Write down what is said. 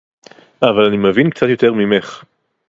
אבל אני מבין קצת יותר ממך